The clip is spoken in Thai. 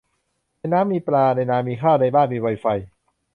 ในน้ำมีปลา ในนามีข้าว ในบ้านมีไวไฟ